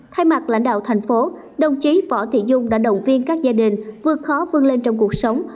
thay mặt lãnh đạo thành phố đồng chí võ thị dung đã động viên các gia đình vượt khó vươn lên trong cuộc sống